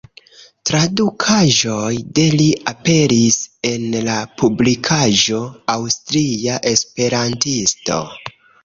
Tradukaĵoj de li aperis en la publikaĵo "Aŭstria Esperantisto".